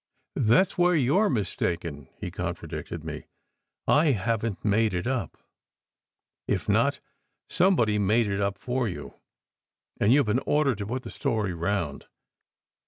"That s where you re mistaken," he contradicted me. "I haven t made it up." "If not, somebody made it up for you, and you ve been ordered to put the story round.